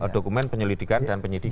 dokumen penyelidikan dan penyidikan